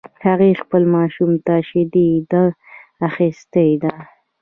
هغې خپل ماشوم ته شیدي ده اخیستی ده